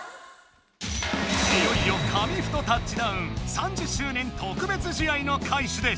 いよいよ「紙フトタッチダウン」３０周年特別試合のかいしです。